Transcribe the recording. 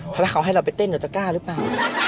ถ้าเขาให้เราไปเต้นเราจะกล้าหรือเปล่า